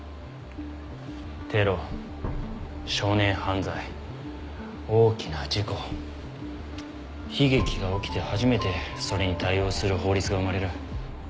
テロ少年犯罪大きな事故悲劇が起きて初めてそれに対応する法律が生まれる。